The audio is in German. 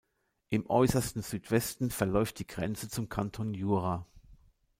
Im äussersten Südwesten verläuft die Grenze zum Kanton Jura.